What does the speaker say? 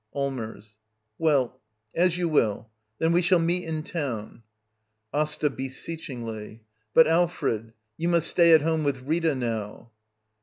Allmbrs. Well — as you will. Then we shall meet in town. AsTA. [Beseechingly.] But Alfred, you must . Wfay at home with Rita now.